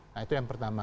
nah itu yang pertama